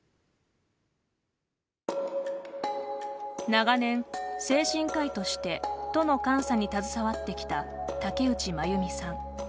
長年、精神科医として都の監査に携わってきた竹内真弓さん。